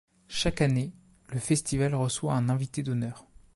Chaque année, le festival reçoit un invité d'honneur.